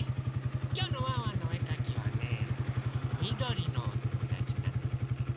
きょうのワンワンのおえかきはねみどりのおともだちなのよね。